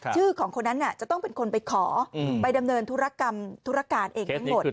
ชื่อของคนนั้นจะต้องเป็นคนไปขอไปดำเนินธุรกรรมธุรการเองทั้งหมด